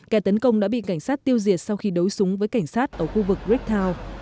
kẻ tấn công đã bị cảnh sát tiêu diệt sau khi đấu súng với cảnh sát ở khu vực brictow